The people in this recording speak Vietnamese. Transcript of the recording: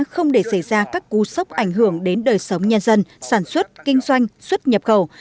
không để xảy ra các cú sốc ảnh hưởng đến đời sống nhân dân sản xuất kinh doanh xuất nhập khẩu